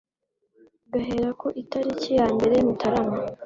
gahera ku itariki ya mbere Mutarama